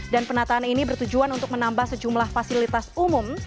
dan penataan ini bertujuan untuk menambah sejumlah fasilitas umum